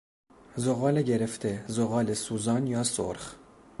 زغال گرفته، زغال سوزان یا سرخ